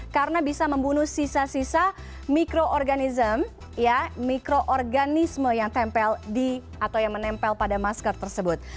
karena bisa membunuh sisa sisa mikroorganisme yang menempel pada masker tersebut